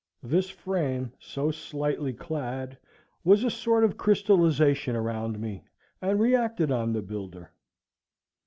This frame, so slightly clad, was a sort of crystallization around me, and reacted on the builder.